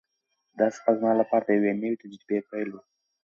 دا سفر زما لپاره د یوې نوې تجربې پیل و.